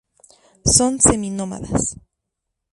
Son seminómadas.